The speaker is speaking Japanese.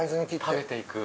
食べて行く。